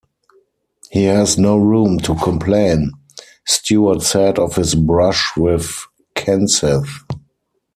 "He has no room to complain," Stewart said of his brush with Kenseth.